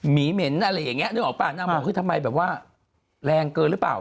เหม็นอะไรอย่างนี้นึกออกป่ะนางบอกคือทำไมแบบว่าแรงเกินหรือเปล่า